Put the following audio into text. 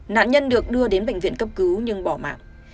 nạn nhân được đưa đến bệnh viện cấp cứu nhưng bỏ mạng